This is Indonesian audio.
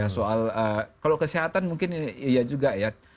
soal kalau kesehatan mungkin iya juga ya